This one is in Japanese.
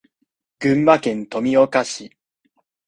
群馬県富岡市